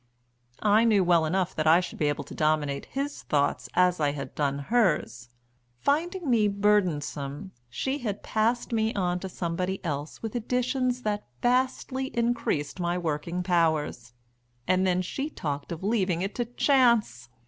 I knew well enough that I should be able to dominate his thoughts as I had done hers. Finding me burdensome, she had passed me on to somebody else with additions that vastly increased my working powers, and then she talked of leaving it to chance!